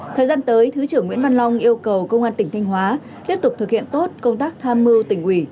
thời gian tới thứ trưởng nguyễn văn long yêu cầu công an tỉnh thanh hóa tiếp tục thực hiện tốt công tác tham mưu tỉnh ủy